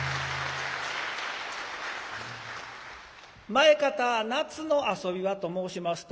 前方夏の遊びはと申しますと